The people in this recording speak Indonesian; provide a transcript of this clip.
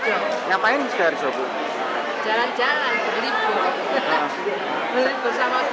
berlibur sama tutup